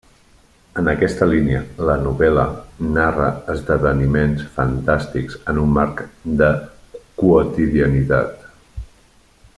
En aquesta línia, la novel·la narra esdeveniments fantàstics en un marc de quotidianitat.